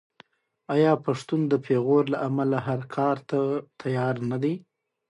آیا پښتون د پېغور له امله هر کار ته تیار نه دی؟